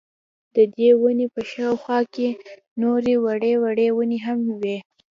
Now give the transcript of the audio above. ددې وني په شاوخوا کي نوري وړې وړې وني هم وې